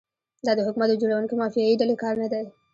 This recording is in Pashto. دا د حکومت د جوړونکي مافیایي ډلې کار نه دی.